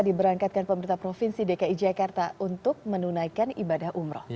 diberangkatkan pemerintah provinsi dki jakarta untuk menunaikan ibadah umroh